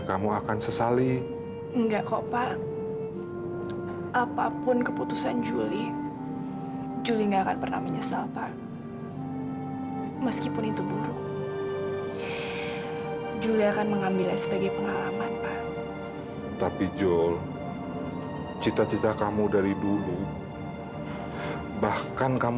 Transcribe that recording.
sampai jumpa di video selanjutnya